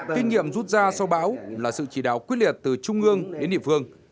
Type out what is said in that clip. kinh nghiệm rút ra sau báo là sự chỉ đạo quyết liệt từ trung ương đến địa phương